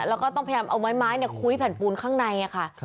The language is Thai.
แล้วก็ต้องพยายามเอาไม้คุ้ยแผ่นปูนข้างในค่ะ